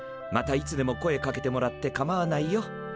またいつでも声かけてもらってかまわないよ。